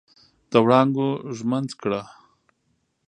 د وړانګو ږمنځ کړه